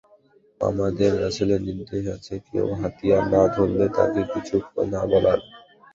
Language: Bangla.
আমাদের রাসূলের নির্দেশ আছে, কেউ হাতিয়ার না ধরলে তাকে কিছু না বলার।